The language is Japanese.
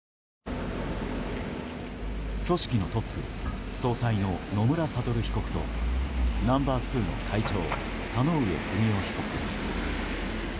組織のトップ総裁の野村悟被告とナンバー２の会長田上不美夫被告。